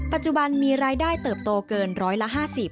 ปัจจุบันมีรายได้เติบโตเกินร้อยละ๕๐